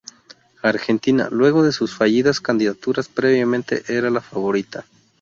Argentina, luego de sus fallidas candidaturas previamente, era la favorita.